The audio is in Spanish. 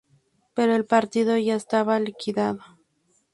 Pero el partido ya estaba liquidado.